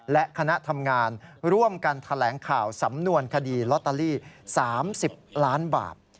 และคณะทำงานร่วมกันแถลงข่าวสำนวนคดีลอตเตอรี่๓๐ล้านบาท